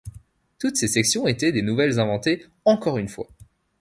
Toutes ses sections étaient des nouvelles inventées encore une fois.